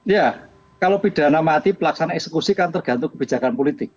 ya kalau pidana mati pelaksanaan eksekusi kan tergantung kebijakan politik